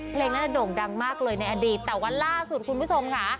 เพลงนั้นโด่งดังมากเลยในอดีตแต่ว่าล่าสุดคุณผู้ชมค่ะ